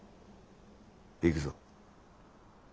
行くぞ。